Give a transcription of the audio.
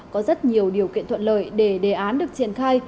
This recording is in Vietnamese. có rất nhiều điều kiện thuận lợi để đề án được triển khai